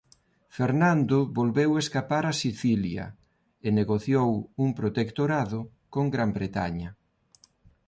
Fernando volveu escapar a Sicilia e negociou un protectorado con Gran Bretaña.